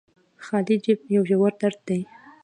خالي جب يو ژور درد دې